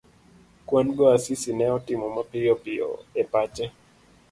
kwan go Asisi ne otimo mapiyo piyo e pache.